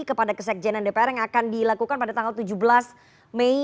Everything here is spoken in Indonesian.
kepada kesekjenan dpr yang akan dilakukan pada tanggal tujuh belas mei